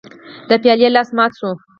د پیالې لاس مات شوی و.